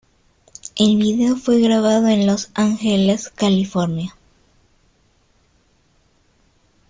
El vídeo fue grabado en Los Ángeles, California.